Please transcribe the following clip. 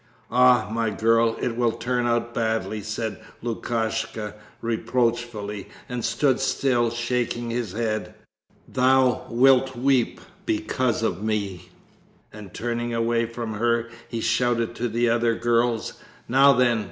'Ah my girl, it will turn out badly,' said Lukashka reproachfully and stood still, shaking his head. 'Thou wilt weep because of me...' and turning away from her he shouted to the other girls: 'Now then!